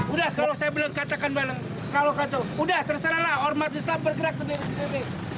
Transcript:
udah kalau saya bilang katakan balik kalau katakan udah terserahlah hormat islam bergerak sendiri